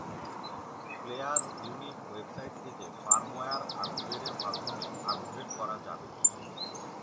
Player unit website থেকে firmware আপগ্রেডের মাধ্যমে আপগ্রেড করা যাবে।